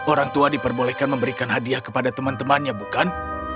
orang tua diperbolehkan memberikan hadiah kepada teman temannya bukan